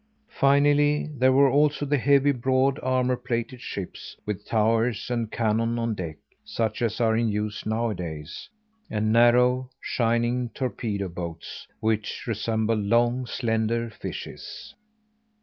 Finally, there were also the heavy, broad armour plated ships with towers and cannon on deck such as are in use nowadays; and narrow, shining torpedo boats which resembled long, slender fishes.